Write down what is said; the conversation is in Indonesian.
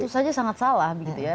itu saja sangat salah begitu ya